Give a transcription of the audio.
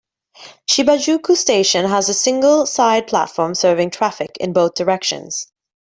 Shibajuku Station has a single side platform serving traffic in both directions.